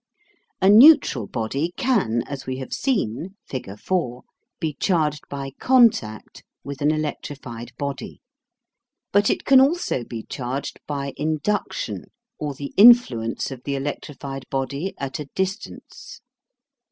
A neutral body can, as we have seen (fig. 4), be charged by CONTACT with an electrified body: but it can also be charged by INDUCTION, or the influence of the electrified body at a distance.